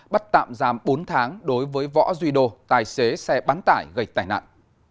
bắt tạm giam bốn tháng đối với võ duy đô tài xế xe bán tải gây tai nạn